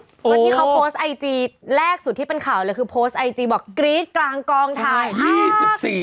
เพราะที่เขาโพสต์ไอจีแรกสุดที่เป็นข่าวเลยคือโพสต์ไอจีบอกกรี๊ดกลางกองถ่าย